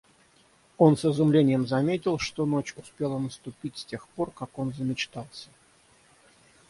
Он с изумлением заметил, что ночь успела наступить с тех пор, как он замечтался.